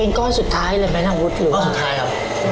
ก้อนสุดท้ายเลยไหมนางวุฒิหรือก้อนสุดท้ายครับ